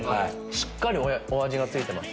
しっかりお味が付いてます。